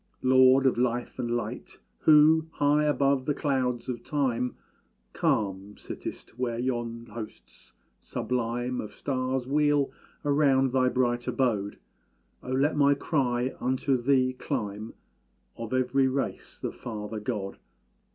Lord of life and light, Who, high above the clouds of Time, Calm sittest, where yon hosts sublime Of stars wheel round thy bright abode, Oh, let my cry unto thee climb, Of every race the Father God!